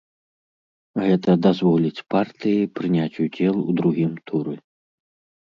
Гэта дазволіць партыі прыняць удзел у другім туры.